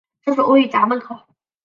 厕所位于闸口外。